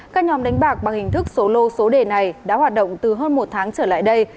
các nhóm đánh bạc bằng hình thức số lô số đề này đã hoạt động từ hơn một tháng trở lại đây